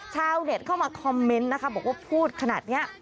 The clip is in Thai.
ชาวเน็ตเข้ามาคอมเมนต์นะคะบอกว่าพูดขนาดนี้